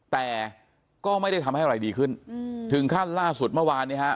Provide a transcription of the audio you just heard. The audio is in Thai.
แต่ก็ไม่ได้ทำให้อะไรดีขึ้นถึงขั้นล่าสุดเมื่อวานนี้ฮะ